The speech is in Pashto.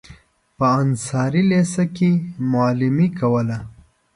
په انصاري لېسه کې معلمي کوله.